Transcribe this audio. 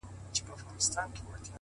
هغه به دروند ساتي چي څوک یې په عزت کوي.